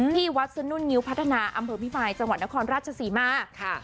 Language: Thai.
ที่วัดสนุ่นงิ้วพัฒนาอำเภอพิมายจังหวัดนครราชศรีมาค่ะ